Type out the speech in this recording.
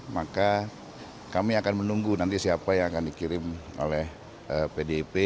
maka kami akan menunggu nanti siapa yang akan dikirim oleh pdip